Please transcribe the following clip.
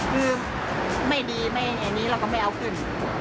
คือไม่ดีไม่อันนี้เราก็ไม่เอาขึ้น